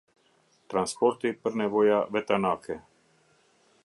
Transporti për nevoja vetanake.